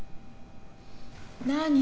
何？